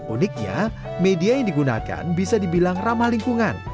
uniknya media yang digunakan bisa dibilang ramah lingkungan